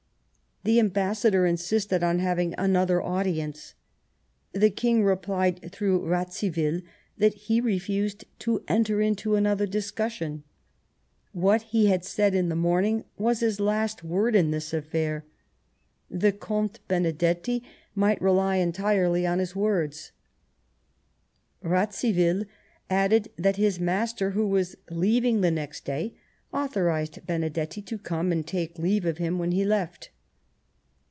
The Ambassador insisted on having another audience. The King replied, through Radziwill, that he refused to enter into another discussion :" What he had said in the morning was his last word in this affair ; the Com.te [Benedetti] might rely entirely on his words," Radziwill added that his master, who was leaving the next day, authorized Benedetti to come and take leave of him when he left.